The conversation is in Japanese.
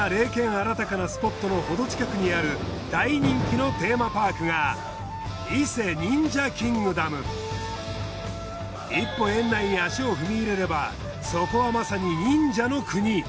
あらたかなスポットのほど近くにある大人気のテーマパークが一歩園内に足を踏み入れればそこはまさに忍者の国。